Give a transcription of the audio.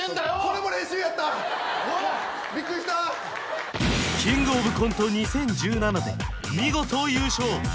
ビックリした「キングオブコント２０１７」で見事優勝